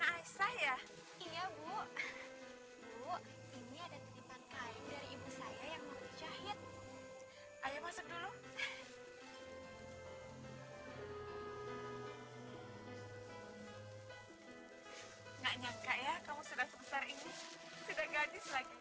aisah ukuran bajunya sama seperti yang dulu